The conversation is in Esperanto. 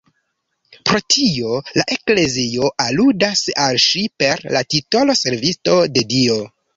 Pro tio, la Eklezio aludas al ŝi per la titolo Servisto de Dio.